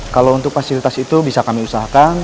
kalau untuk fasilitas itu bisa kami usahakan